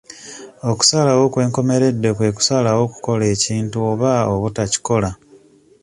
Okusalawo okw'enkomeredde kwe kusalawo okukola ekintu oba obutakikola.